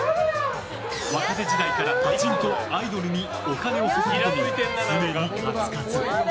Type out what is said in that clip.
若手時代からパチンコとアイドルにお金を注ぎ込み常にカツカツ。